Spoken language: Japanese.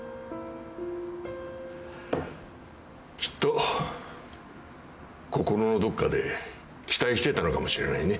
きっと心のどこかで期待してたのかもしれないね。